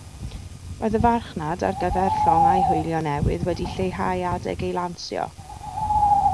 Roedd y farchnad ar gyfer llongau hwylio newydd wedi lleihau adeg ei lansio.